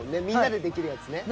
みんなでできるやつ。